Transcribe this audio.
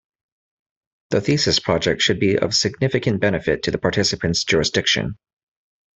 The thesis project should be of significant benefit to the participant's jurisdiction.